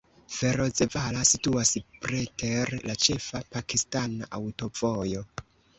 Ferozevala situas preter la ĉefa pakistana aŭtovojo.